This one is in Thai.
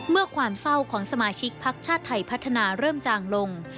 ความเศร้าของสมาชิกพักชาติไทยพัฒนาเริ่มจางลง